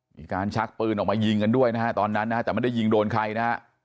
มีการชักปืนออกมายิงกันด้วยนะฮะตอนนั้นแต่มันได้ยิงโดนใคร